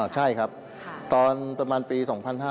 ใช่ครับตอนประมาณปี๒๕๕๙